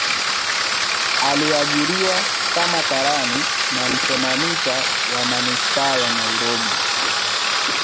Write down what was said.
aliajiriwa kama karani na msoma mita wa manispaa ya nairobi